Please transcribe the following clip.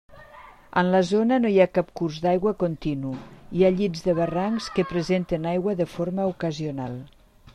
En la zona no hi ha cap curs d'aigua continu, hi ha llits de barrancs que presenten aigua de forma ocasional.